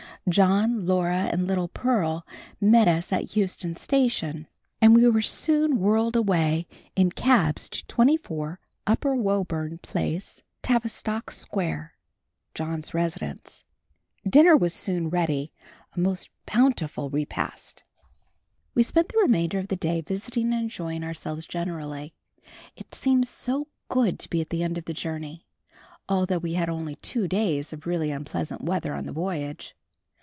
John, Laura and little Pearl met us at Euston Station, and we were soon whirled away in cabs to 24 Upper Woburn Place, Tavistock Square, John's residence. Dinner was soon ready, a most bountiful repast. We spent the remainder of the day visiting and enjoying ourselves generally. It seemed so good to be at the end of the journey, although we had only two days of really unpleasant weather on the voyage.